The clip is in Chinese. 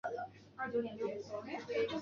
幼名为珠宫。